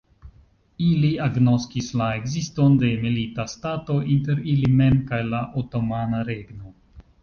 Ili agnoskis la ekziston de milita stato inter ili mem kaj la Otomana Regno.